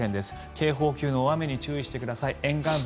警報級の大雨に注意してください。